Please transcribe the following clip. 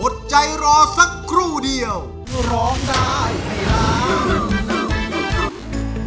อดใจรอสักครู่เดียวร้องได้ให้ล้าน